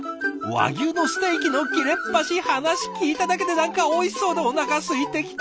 和牛のステーキの切れっ端話聞いただけで何かおいしそうでおなかすいてきた！